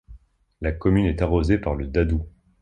La commune est arrosée par le Dadou.